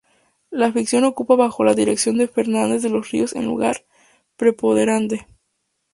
La ficción ocupa bajo la dirección de Fernández de los Ríos un lugar preponderante.